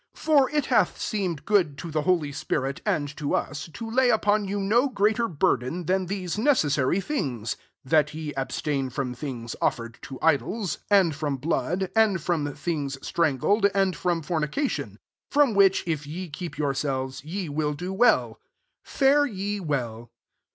28 For it hath seemed good to the holf spirit and to us, to lay upon you no greater burden than [these] necessary things ; 29 that ye abstain from things offered to idols, and from blood, and from things strangled, and from fornication : from which, if ye keep yourselves, ye will do well. Fare ye well."